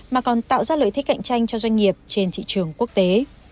mà còn tạo ra lợi thế cạnh tranh cho doanh nghiệp trên thị trường quốc tế